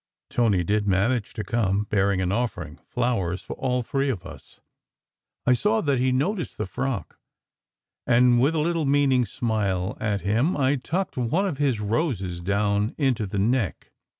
Tony did manage to come, bearing an offering flowers for all three of us. I saw that he noticed the frock, and with a little meaning smile at him, I tucked one of his roses down into the neck.